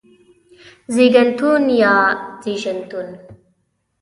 زيږنتون يا زيژنتون